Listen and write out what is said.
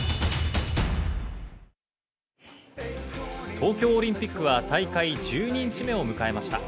東京オリンピックは大会１２日目を迎えました。